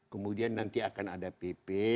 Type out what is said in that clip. kemudian nanti akan ada pp